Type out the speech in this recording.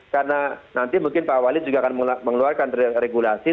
karena nanti mungkin pak walid juga akan mengeluarkan regulasi